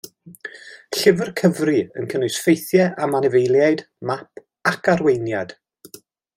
Llyfr cyfri yn cynnwys ffeithiau am anifeiliaid, map ac arweiniad.